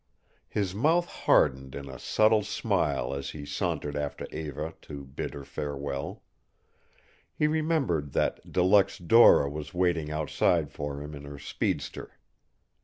His mouth hardened in a subtle smile as he sauntered after Eva to bid her farewell. He remembered that De Luxe Dora was waiting outside for him in her speedster.